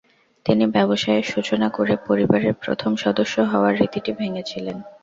তিনি ব্যবসায়ের সূচনা করে পরিবারের প্রথম সদস্য হওয়ার রীতিটি ভেঙেছিলেন।